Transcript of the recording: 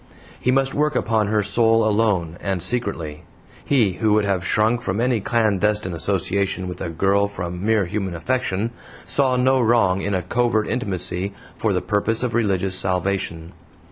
He must work upon her soul alone, and secretly. He, who would have shrunk from any clandestine association with a girl from mere human affection, saw no wrong in a covert intimacy for the purpose of religious salvation.